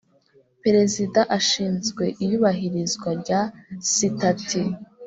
Perezida ashinzwe iyubahirizwa rya Sitati